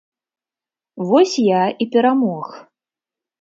Вось я і перамог.